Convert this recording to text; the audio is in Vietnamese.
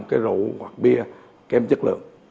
cái rượu hoặc bia kém chất lượng